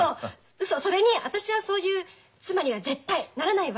それに私はそういう妻には絶対ならないわ。